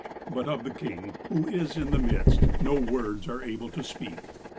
But of the King, who is in the midst, no words are able to speak.